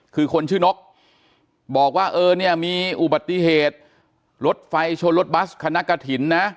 คือคนชื่อนกบอกว่าเออเนี่ยมีอุบัติเหตุรถไฟชนรถบัสคณะกฐินนะ